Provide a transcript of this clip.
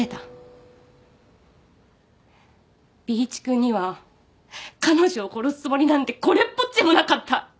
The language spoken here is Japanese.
Ｂ一君には彼女を殺すつもりなんてこれっぽっちもなかった。